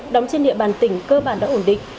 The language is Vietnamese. đóng trên địa bàn tỉnh cơ bản đã ổn định